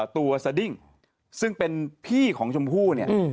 สดิ้งซึ่งเป็นพี่ของชมพู่เนี่ย